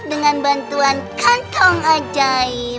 dengan bantuan kantong ajaib